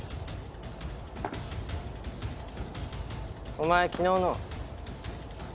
お前昨日の。